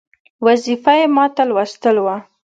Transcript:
وظیفه یې ماته لوستل وه.